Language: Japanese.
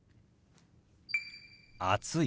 「暑い」。